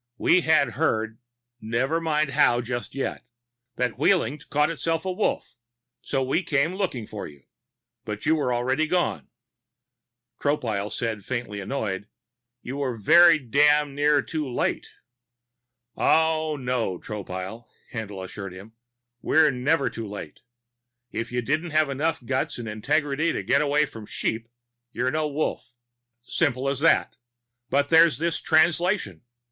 We had heard never mind how just yet that Wheeling'd caught itself a Wolf, so we came looking for you. But you were already gone." Tropile said, faintly annoyed: "You were damn near too late." "Oh, no, Tropile," Haendl assured him. "We're never too late. If you don't have enough guts and ingenuity to get away from sheep, you're no wolf simple as that. But there's this Translation.